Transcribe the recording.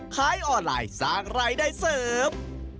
ขายออนไลน์สร้างรายได้เสริม